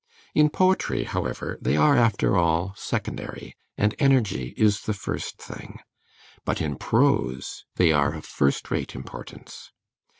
In poetry, however, they are after all secondary, and energy is the first thing; but in prose they are of first rate importance.